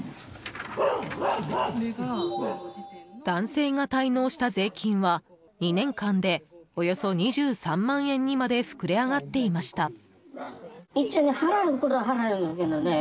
男性が滞納した税金は２年間で、およそ２３万円にまで膨れ上がっていました。